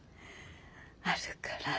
あるから。